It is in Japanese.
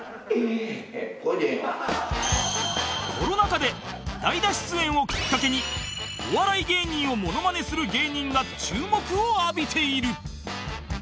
コロナ禍で代打出演をきっかけにお笑い芸人をモノマネする芸人が注目を浴びている